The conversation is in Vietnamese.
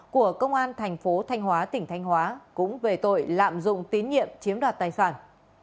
của công an thành phố thanh hóa tỉnh thanh hóa cũng về tội lạm dụng tín nhiệm chiếm đoạt tài sản